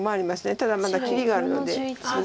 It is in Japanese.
ただまだ切りがあるので難しいです。